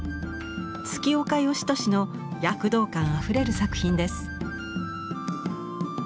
月岡芳年の躍動感あふれる作品です。